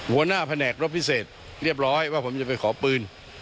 หัวหน้าแผ่นแขน